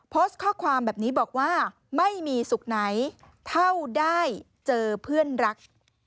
โพสต์ข้อความแบบนี้บอกว่าไม่มีสุขไหนเท่าได้เจอเพื่อนรัก